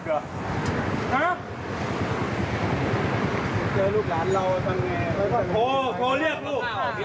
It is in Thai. โทรโทรเรียกรู้